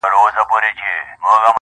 ډېر پخوا د نیل پر غاړه یو قاتل وو!!